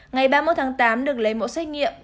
ngày ba mươi một tháng tám được lấy mẫu xét nghiệm